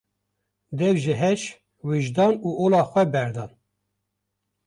Dev ji heş, wijdan û ola xwe berdan.